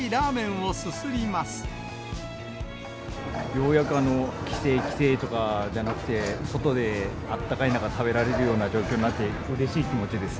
ようやく規制、規制とかじゃなくて、外であったかい中、食べられるような状況になってうれしい気持ちです。